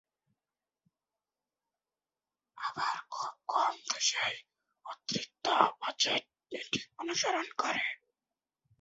আবার খুব কম দেশই উদ্বৃত্ত বাজেট নীতি অনুসরণ করে।